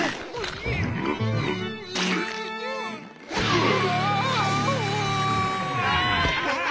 うわ！